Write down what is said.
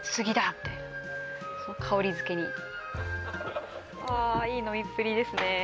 みたいな香りづけにあーいい飲みっぷりですね